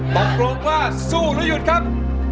ตกลงว่าสู้หรือหยุดครับ